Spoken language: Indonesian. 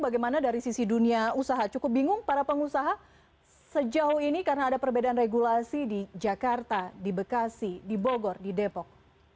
bagaimana dari sisi dunia usaha cukup bingung para pengusaha sejauh ini karena ada perbedaan regulasi di jakarta di bekasi di bogor di depok